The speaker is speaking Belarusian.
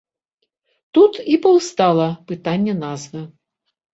Тут і паўстала пытанне назвы.